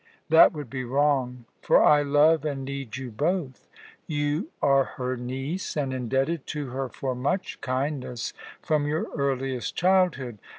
That would be wrong; for I love and need you both. You are her niece, and indebted to her for much kindness from your earliest childhood.